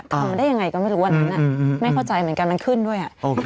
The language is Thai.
ทำได้ยังไงก็ไม่รู้อันนั้นไม่เข้าใจเหมือนกันมันขึ้นด้วย